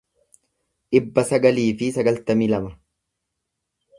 dhibba sagalii fi sagaltamii lama